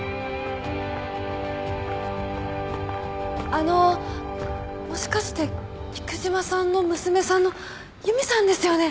あのもしかして菊島さんの娘さんの由美さんですよね？